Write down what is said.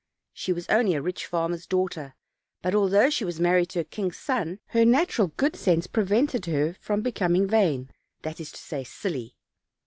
She was only a rich farmer's daughter; but al though she was married to a king's son, her natural good sense prevented her becoming vain, that is to say, silly.